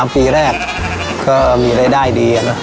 ปีแรกก็มีรายได้ดี